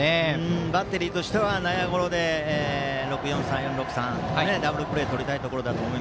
バッテリーとしては内野ゴロで３―６―３のダブルプレーをとりたいところ。